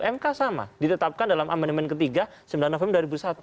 mk sama ditetapkan dalam amendement ketiga sembilan november dua ribu satu